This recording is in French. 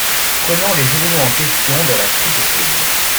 Prenant les journaux en question dans la tricoteuse.